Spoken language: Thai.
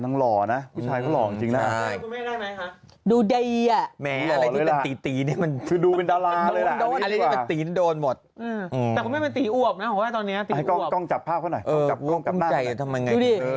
นังหล่อนะเมรี่แทนล่อจริงนะดูที่ตีตีให้ดูเป็นดาราเลยโรง